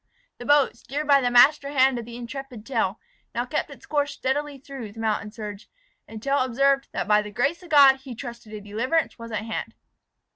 The boat, steered by the master hand of the intrepid Tell, now kept its course steadily through, the mountain surge; and Tell observed, "that by the grace of God, he trusted a deliverance was at hand."